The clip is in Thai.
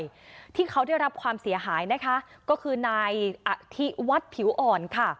ที่เขาได้รับความเสียหายนะคะก็คือนายอธิวัฒน์ผิวอ่อนค่ะ